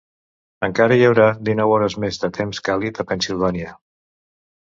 Encara hi haurà dinou hores més de temps càlid a Pennsilvània